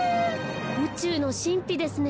うちゅうのしんぴですね。